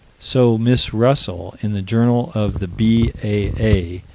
So Miss Russel, in the _Journal of the B.A.A.